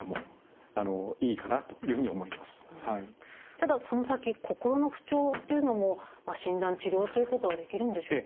ただその先心の不調というのも診断治療ということはできるんでしょうか？